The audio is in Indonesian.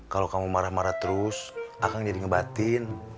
kalau kamu marah marah terus akan jadi ngebatin